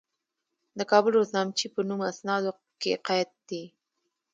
د کابل روزنامچې په نوم اسنادو کې قید دي.